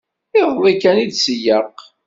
Iḍelli kan i d-tseyyeq.